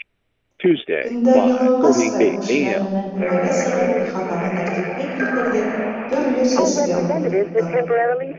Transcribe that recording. Көндәр йылынғас та, күршеләр менән өмәгә сығып, ихатаны тәртипкә килтерҙек, төрлө сәскә ултырттыҡ.